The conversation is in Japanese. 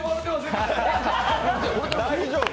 大丈夫？